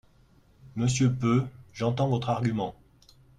Monsieur Peu, j’entends votre argument.